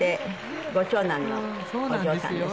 「ご長男のお嬢さんですけど」